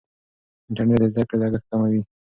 انټرنیټ د زده کړې لګښت کموي.